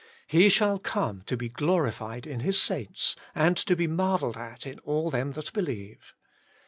' He shall come to be glorified in His saints, and to be marvelled at in all them that believe.'